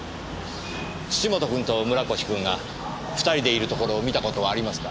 土本君と村越君が２人でいるところを見た事はありますか？